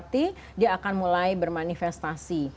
nanti dia akan mulai bermanifestasi